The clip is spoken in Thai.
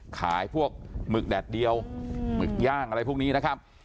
ขายพวกหมึกแดดเดียวหมึกย่างอะไรพวกนี้นะครับ